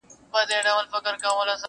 قرباني بې وسه پاتې کيږي تل